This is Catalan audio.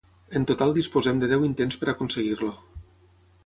En total disposem de deu intents per aconseguir-lo.